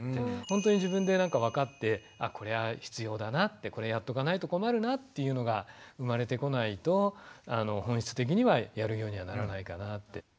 本当に自分でわかってこれは必要だなってこれやっとかないと困るなっていうのが生まれてこないと本質的にはやるようにはならないかなって。